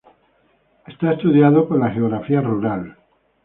Es estudiado por la geografía rural.